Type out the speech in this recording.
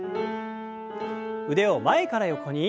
腕を前から横に。